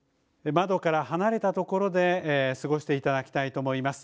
窓から離れたところで過ごしていただきたいと思います。